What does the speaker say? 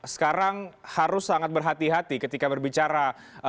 sekarang harus sangat berhati hati ketika berbicara